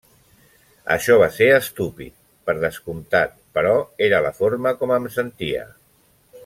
Això va ser estúpid, per descomptat, però era la forma com em sentia.